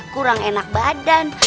kurang enak badan